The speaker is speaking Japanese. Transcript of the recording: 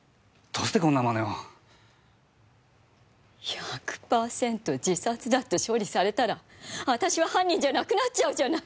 １００パーセント自殺だって処理されたら私は犯人じゃなくなっちゃうじゃない。